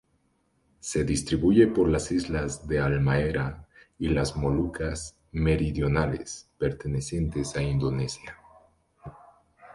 Se distribuye por las islas de Halmahera y las Molucas meridionales, pertenecientes a Indonesia.